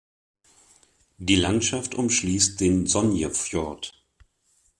Die Landschaft umschließt den Sognefjord.